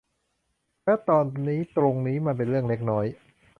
และตอนนี้ตรงนี้มันเป็นเรื่องเล็กน้อย